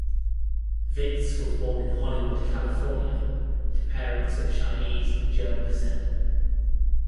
Vitz was born in Hollywood, California to parents of Chinese and German descent.